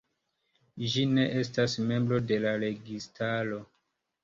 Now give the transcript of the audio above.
Ĝi ne estas membro de la registaro.